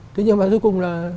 thế nhưng mà cuối cùng là